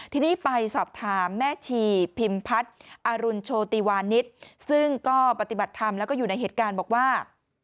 ทีนี้ไปสอบถามแม่ชีพิมพัฒน์อรุณโชติวานิสซึ่งก็ปฏิบัติธรรมแล้วก็อยู่ในเหตุการณ์บอกว่า